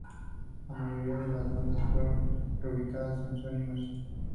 La mayoría de las bandas fueron reubicadas en Sony Music.